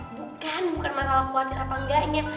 bukan bukan masalah khawatir apa enggaknya